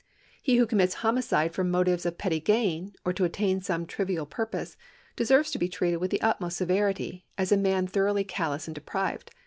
He who commits homi cide from motives of petty gain, or to attain some trivial pur pose, deserves to be treated with the utmost severity, as a man thoroughly callous and depraved.